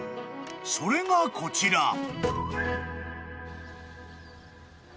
［それがこちら］